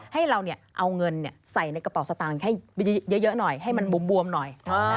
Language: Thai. ให้เราเอาเงินใส่ในกระเป๋าสตางค์ให้เยอะหน่อยให้มันบวมหน่อย